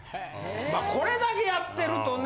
まあこれだけやってるとね。